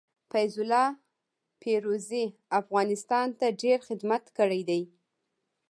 فيض الله فيروزي افغانستان ته ډير خدمت کړي دي.